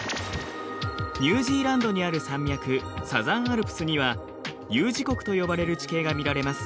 ニュージーランドにある山脈サザンアルプスにはＵ字谷と呼ばれる地形が見られます。